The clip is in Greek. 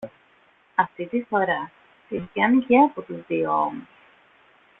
Αυτή τη φορά την πιάνει και από τους δύο ώμους